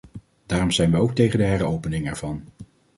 Daarom zijn wij ook tegen de heropening ervan.